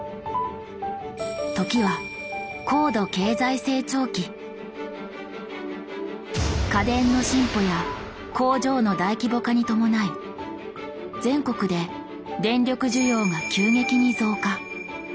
時は家電の進歩や工場の大規模化に伴い全国で電力需要が急激に増加。